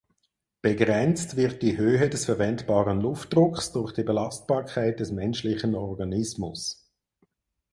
Begrenzt wird die Höhe des verwendbaren Luftdrucks durch die Belastbarkeit des menschlichen Organismus.